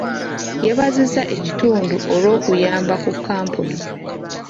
Yeebazizza ekitundu olw'okuyamba ku kkampuni.